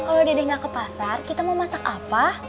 kalau dedek gak ke pasar kita mau masak apa